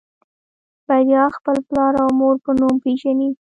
بريا خپل پلار او مور په نوم پېژني.